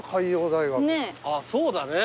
そうだね。